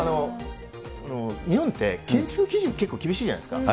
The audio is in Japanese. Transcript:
日本って建築基準、結構厳しいじゃないですか。